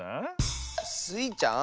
スイちゃん？